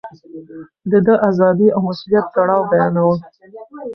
ده د ازادۍ او مسووليت تړاو بيانوه.